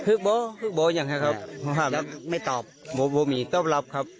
ฮึกเบาะฮึกเบาะอย่างไรครับครับไม่ตอบไม่มีต้องหลับครับ